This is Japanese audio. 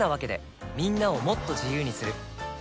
みんなをもっと自由にする「三菱冷蔵庫」